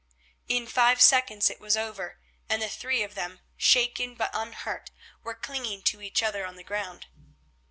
In five seconds it was over, and the three of them, shaken but unhurt, were clinging to each other on the ground.